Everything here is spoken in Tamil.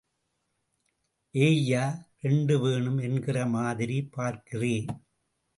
ஏய்யா... ரெண்டும் வேணும் என்கிற மாதிரி பார்க்கிறே?